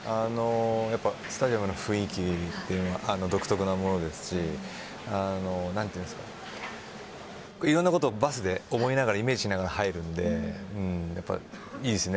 やっぱスタジアムの雰囲気というのは独特なものですし何ていうんですかいろんなことをバスで思いながらイメージしながら入るのでやっぱいいですね。